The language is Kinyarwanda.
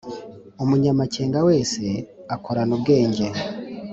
umunyamakenga wese akorana ubwenge